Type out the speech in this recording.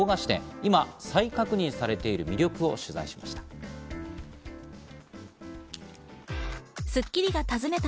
今再確認されている魅力を取材しました。